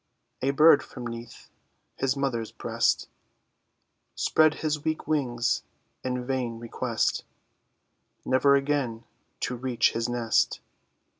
A bird from 'neath his mother's breast, Spread his weak wings in vain request; Never again to reach his nest.